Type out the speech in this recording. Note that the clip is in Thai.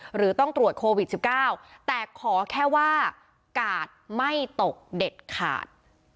หรือต้องตรวจโควิด๑๙แต่ขอแค่ว่ากาดไม่ตกเด็ดขาด